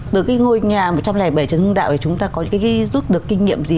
từ cái ngôi nhà một trăm linh bảy trần hưng đạo thì chúng ta có giúp được kinh nghiệm gì